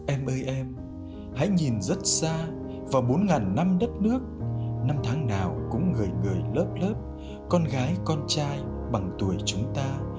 em ơi em hãy nhìn rất xa vào bốn năm đất nước năm tháng nào cũng người người lớp lớp con gái con trai bằng tuổi chúng ta